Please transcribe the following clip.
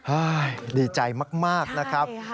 ดีใจมากนะครับ